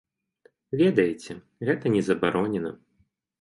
Ведаеце, гэта не забаронена.